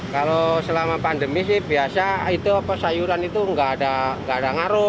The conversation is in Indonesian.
kalau selama pandemi sih biasa sayuran itu nggak ada ngaruh